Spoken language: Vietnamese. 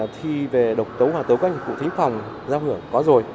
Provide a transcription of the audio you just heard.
thi về độc tấu hoàn tấu các nhạc cụ thí phòng giao hưởng có rồi